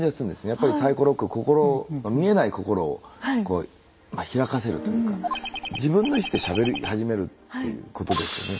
やっぱりサイコ・ロック心見えない心をこう開かせるというか自分の意思でしゃべり始めるっていうことですよね。